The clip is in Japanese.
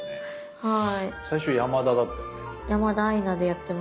はい。